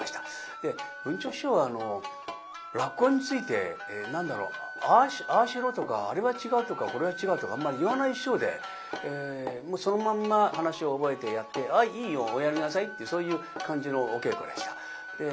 文朝師匠は落語について何だろうああしろとかあれは違うとかこれは違うとかあんまり言わない師匠でそのまんま噺を覚えてやって「ああいいよ。おやりなさい」っていうそういう感じのお稽古でした。